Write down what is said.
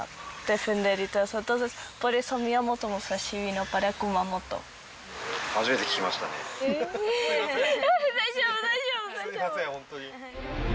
すみませんホントに。